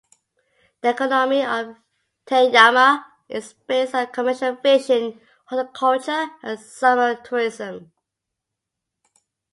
The economy of Tateyama is based on commercial fishing, horticulture and summer tourism.